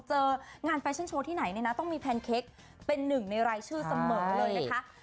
เจองานแฟชั่นโชว์ที่ไหนเนี่ยนะต้องมีแพนเค้กเป็นหนึ่งในรายชื่อเสมอเลยนะคะ